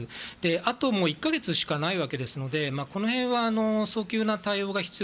あと１か月しかないわけですのでこの辺は早急な対応が必要。